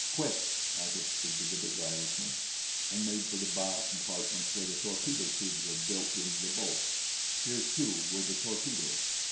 "Quick!" I whispered to the big Irishman, and made for the bow compartment where the torpedo tubes are built into the boat; here, too, were the torpedoes.